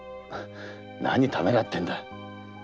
何ためらってんだ。